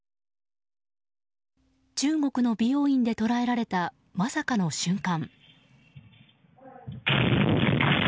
中国の美容院で捉えられたまさかの瞬間。